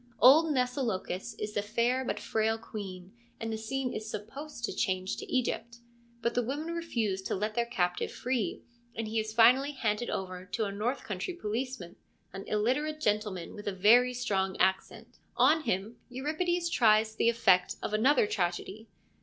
Old Mnesilochus is the fair but frail queen, and the scene is supposed to change to Egypt. But the women refuse to let their captive free, and he is finally handed over to a north country police man, an illiterate gentleman with a very strong accent. On him Euripides tries the effect of another tragedy.